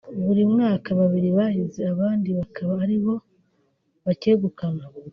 Buri mwaka babiri bahize abandi bakaba ari bo bacyegukana